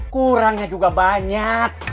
kurangnya juga banyak